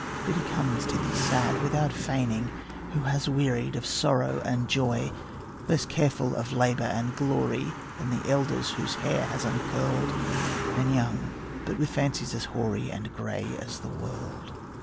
But he comes to thee sad, without feigning, Who has wearied of sorrow and joy; Less careful of labour and glory Than the elders whose hair has uncurled; And young, but with fancies as hoary And grey as the world.